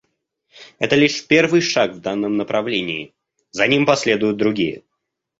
Это лишь первый шаг в данном направлении; за ним последуют другие.